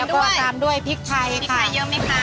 ก็ตามด้วยพิกไทยค่ะอยู่ไหมคะ